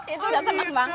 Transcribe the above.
itu udah seneng banget